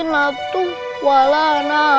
makasih ya lena